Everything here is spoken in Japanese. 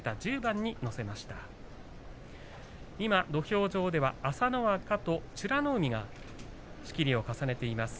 今、土俵上では朝乃若と美ノ海が仕切りを重ねています。